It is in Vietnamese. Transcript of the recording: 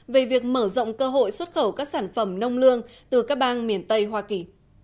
về việc mở rộng cơ hội xuất khẩu các sản phẩm nông lương từ các bang miền tây hoa kỳ